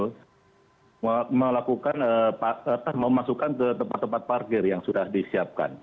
untuk melakukan memasukkan ke tempat tempat parkir yang sudah disiapkan